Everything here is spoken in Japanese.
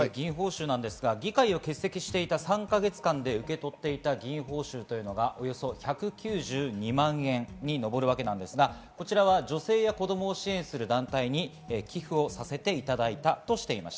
議会を欠席していた３か月間で受け取った議員報酬はおよそ１９２万円に上るわけですが、こちらは女性や子供を支援する団体に寄付をさせていただいたとしています。